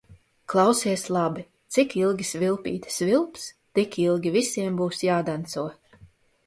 Klausies labi: cik ilgi svilpīte svilps, tik ilgi visiem būs jādanco.